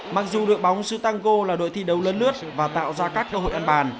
mặc dù được bóng stango là đội thi đấu lớn lướt và tạo ra các cơ hội ăn bàn